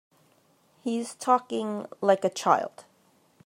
He's talking like a child.